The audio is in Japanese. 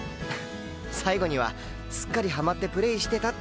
最後にはすっかりハマってプレイしてたって事があります。